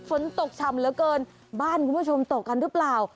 ฝนตกฉ่ำเหลือเกินบ้านคุณผู้ชมตกกันหรือเปล่า